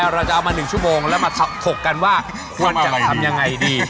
เราจะเอามา๑ชั่วโมงแล้วมาถกกันว่าควรจะทำยังไงดี